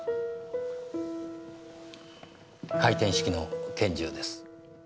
回転式の拳銃です。